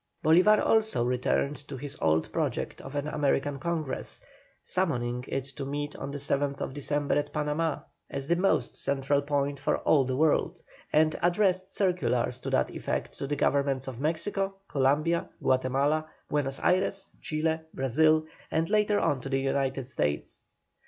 Bolívar also returned to his old project of an American Congress, summoning it to meet on the 7th December at Panama, as the most central point for all the world, and addressed circulars to that effect to the Governments of Mexico, Columbia, Guatemala, Buenos Ayres, Chile, Brazil, and later on to the United States.